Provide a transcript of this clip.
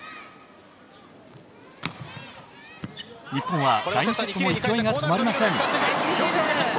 日本は第２セットも勢いが止まりません。